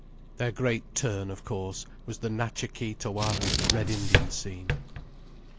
Their great turn, of course, was the Natcha Kee Tawara Red Indian scene.